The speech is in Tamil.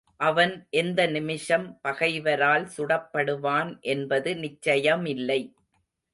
அவன் எந்த நிமிஷம் பகைவரால் சுடப்படுவான் என்பது நிச்சயமில்லை.